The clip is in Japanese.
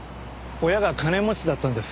親が金持ちだったんです。